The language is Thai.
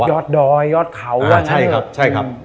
ยอดดอยยอดเขายอดใช่ครับใช่ครับ